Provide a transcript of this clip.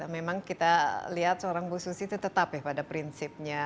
memang kita lihat seorang bu susi itu tetap ya pada prinsipnya